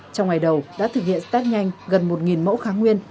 trong ngày đầu đã thực hiện start nhanh gần một mẫu kháng nguyên